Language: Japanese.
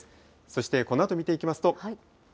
そしてこのあと見ていきますと。